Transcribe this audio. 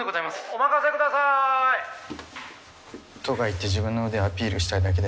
お任せくださーい。とかいって自分の腕をアピールしたいだけだよな。